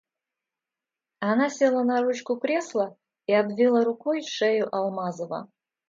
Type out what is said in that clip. Она села на ручку кресла и обвила рукой шею Алмазова.